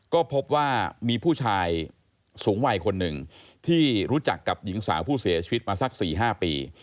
ก็พบว่ามีผู้ชายสูงวัยคนหนึ่งที่รู้จักกับหญิงสาวผู้เสียชีวิตมาสัก๔๕ปี